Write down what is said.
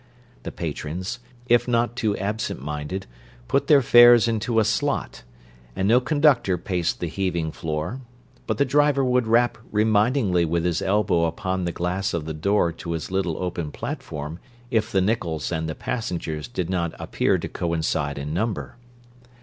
The patrons—if not too absent minded—put their fares into a slot; and no conductor paced the heaving floor, but the driver would rap remindingly with his elbow upon the glass of the door to his little open platform if the nickels and the passengers did not appear to coincide in number.